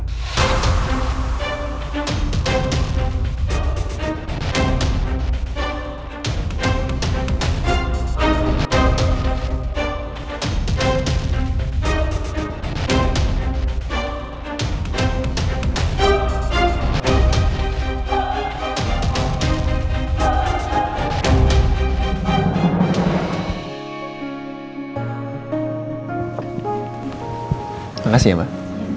terima kasih ya ma'am